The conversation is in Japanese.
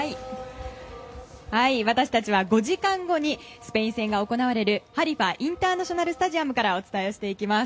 私たちは５時間後にスペイン戦が行われるハリファ・インターナショナル・スタジアムからお伝えをしていきます。